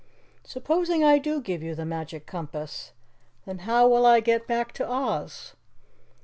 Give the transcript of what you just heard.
"Supposing I do give you the Magic Compass then how will I get back to Oz?"